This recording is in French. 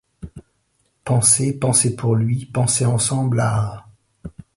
Penser, penser pour lui, penser ensemble à…